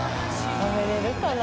食べれるかな？